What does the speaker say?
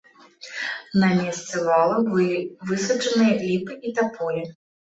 На месцы вала былі высаджаныя ліпы і таполі.